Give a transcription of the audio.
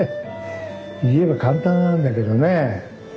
言えば簡単なんだけどね。